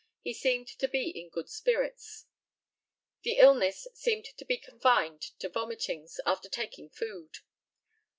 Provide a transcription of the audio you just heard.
He seemed to be in good spirits. The illness seemed to be confined to vomitings after taking food.